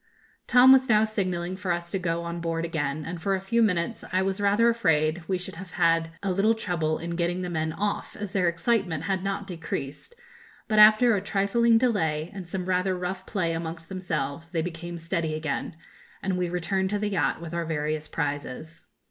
Tom was now signalling for us to go on board again, and for a few minutes I was rather afraid we should have had a little trouble in getting the men off, as their excitement had not decreased; but after a trifling delay and some rather rough play amongst themselves, they became steady again, and we returned to the yacht with our various prizes.